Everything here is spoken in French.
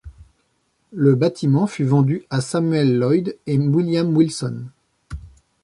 Le bâtiment fut vendu à Samuel Lloyd et William Wilson.